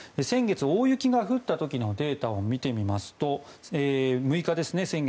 先月、大雪が降った時のデータを見てみますと先月の６日ですね